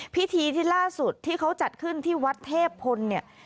พิธีที่ล่าสุดที่เขาจัดขึ้นที่วัดเทพพลเนี่ย